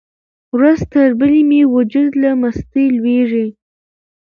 ورځ تر بلې مې وجود له مستۍ لویږي.